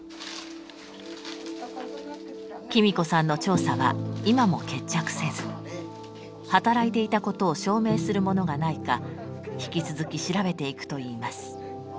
喜美子さんの調査は今も決着せず働いていたことを証明するものがないか引き続き調べていくといいます。